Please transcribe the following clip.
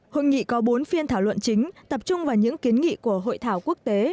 hội nghị có bốn phiên thảo luận chính tập trung vào những kiến nghị của hội thảo quốc tế